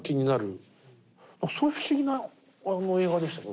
そういう不思議な映画でしたね